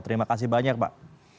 terima kasih banyak pak